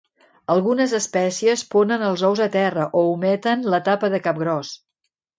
Algunes espècies ponen els ous a terra o ometen l'etapa de capgròs.